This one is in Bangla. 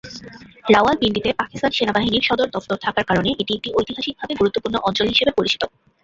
রাওয়ালপিন্ডিতে পাকিস্তান সেনাবাহিনীর সদর দফতর থাকার কারণে এটি একটি ঐতিহাসিকভাবে গুরুত্বপূর্ণ অঞ্চল হিসেবে পরিচিত।